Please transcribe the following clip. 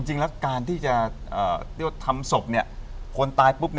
จริงแล้วการที่จะทำศพเนี่ยคนตายปุ๊บเนี่ย